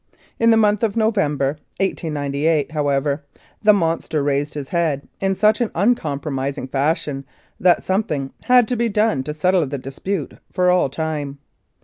In the month of November, 1898, however, the monster raised his head in such an uncompromising fashion that something had to be done to settle the dispute for all time.